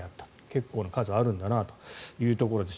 結構な数あるんだなというところです。